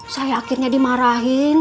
saya akhirnya dimarahin